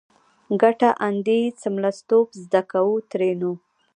کټه اندي څملستوب زده کو؛ ترينو